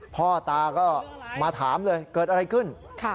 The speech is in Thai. พ่อตาก็มาถามเลยเกิดอะไรขึ้น